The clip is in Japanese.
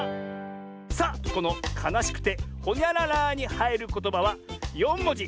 さあこのかなしくて「ほにゃらら」にはいることばは４もじ。